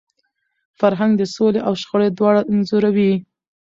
فرهنګ د سولي او شخړي دواړه انځوروي.